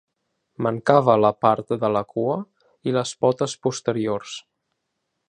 Mancava la part de la cua i les potes posteriors.